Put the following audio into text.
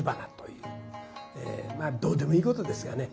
まあどうでもいいことですがね。